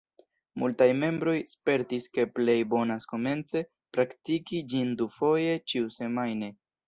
Multaj membroj spertis ke plej bonas komence praktiki ĝin dufoje ĉiusemajne.